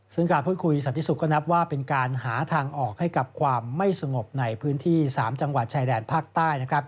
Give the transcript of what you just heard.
ซึ่งการพูดคุยสันติสุขก็นับว่าเป็นการหาทางออกให้กับความไม่สงบในพื้นที่๓จังหวัดชายแดนภาคใต้